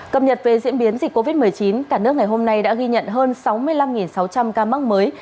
cập nhật về diễn biến dịch covid một mươi chín cả nước ngày hôm nay đã ghi nhận hơn sáu mươi năm sáu trăm linh ca mắc mới